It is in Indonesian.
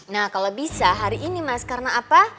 nah kalau bisa hari ini mas karena apa